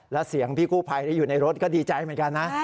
แล้วเสียงพี่กู้ภัยที่อยู่ในรถก็ดีใจเหมือนกันนะ